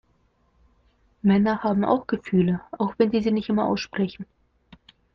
Männer haben auch Gefühle, auch wenn sie sie nicht immer aussprechen.